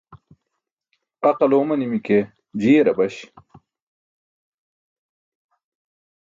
Aql oomanimi ke jiyar abaś.